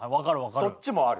そっちもある。